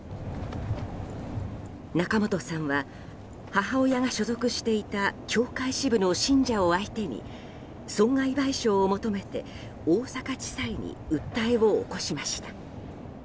仲本さんは、母親が所属していた教会支部の信者を相手に損害賠償を求めて大阪地裁に訴えを起こしました。